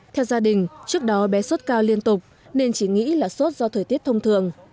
theo gia đình trước đó bé sốt cao liên tục nên chỉ nghĩ là sốt do thời tiết thông thường